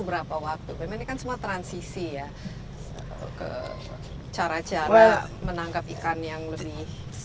berapa waktu memang ini kan semua transisi ya ke cara cara menangkap ikan yang lebih